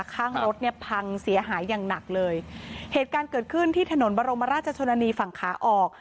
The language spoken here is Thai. ข้างรถเนี่ยพังเสียหายอย่างหนักเลยเหตุการณ์เกิดขึ้นที่ถนนบรมราชชนนานีฝั่งขาออก